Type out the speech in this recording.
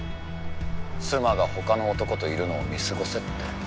妻がほかの男といるのを見過ごせって？